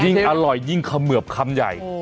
ยิ่งอร่อยยิ่งขะเมือบคำใหญ่